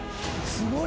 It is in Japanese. すごい！